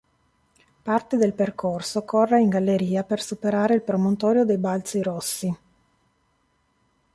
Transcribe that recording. Parte del percorso corre in galleria per superare il promontorio dei Balzi Rossi.